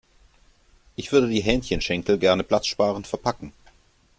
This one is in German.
Ich würde die Hähnchenschenkel gerne platzsparend verpacken.